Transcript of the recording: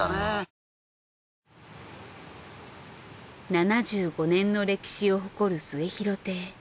７５年の歴史を誇る『末廣亭』。